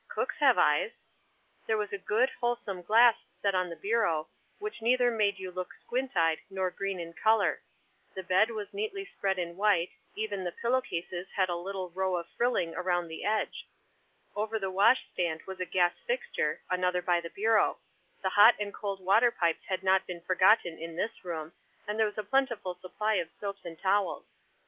Cooks have eyes. There waa a good, wholesome glass set on the bureau, which neither made you look squint eyed nor green in color ; the bed was neatly spread in white, even the pillow cases had a little row of frilling around the ed^e ; over the wash stand was a gas fixture, anothe hot and cold water pipes 1 in this room, and there w of soaps and towels.